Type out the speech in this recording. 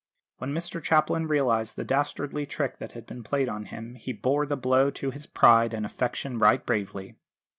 When Mr Chaplin realised the dastardly trick that had been played on him, he bore the blow to his pride and affection right bravely.